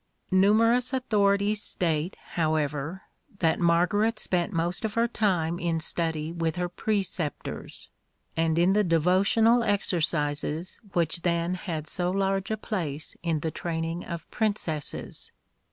Numerous authorities state, however, that Margaret spent most of her time in study with her preceptors and in the devotional exercises which then had so large a place in the training of princesses.